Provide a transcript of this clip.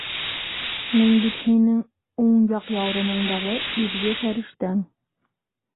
Мин бит һинең уң яҡ яурыныңдағы изге фәрештәң.